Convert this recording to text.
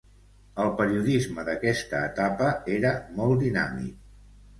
El periodisme d’aquesta etapa era molt dinàmic.